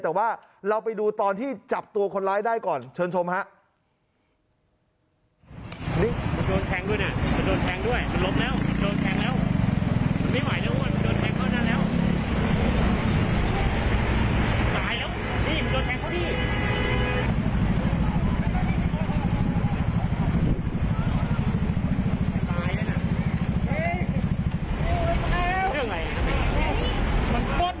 แต่ว่าเราไปดูตอนที่จับตัวคนร้ายได้ก่อนเชิญชมครับ